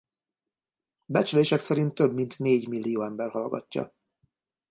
Becslések szerint több mint négy millió ember hallgatja.